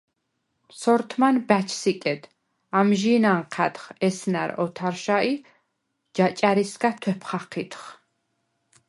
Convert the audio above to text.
სორთმან ბა̈ჩს იკედ, ამჟი̄ნ ანჴა̈დხ ესნა̈რ ოთარშა ი ჯაჭა̈რისგა თუ̂ეფ ხაჴიდხ.